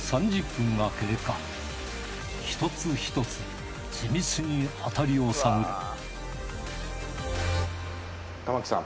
一つ一つ地道に当たりを探る玉置さん。